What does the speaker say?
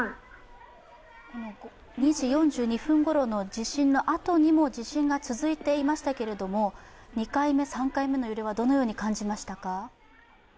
２時４２分ごろの地震のあとにも地震が続いていましたけれども、２回目、３回目の揺れはどのように感じましたか？